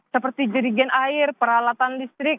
seperti jerigen air peralatan listrik